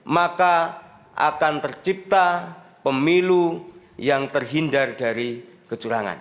maka akan tercipta pemilu yang terhindar dari kecurangan